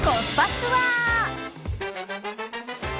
ツアー。